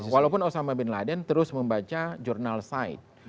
walaupun osama bin laden terus membaca jurnal side